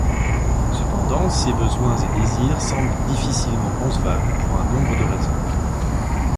Cependant, ces besoins et désirs semblent difficilement concevables pour un nombre de raisons.